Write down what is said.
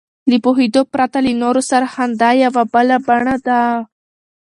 له پوهېدو پرته له نورو سره خندا یوه بله بڼه ده.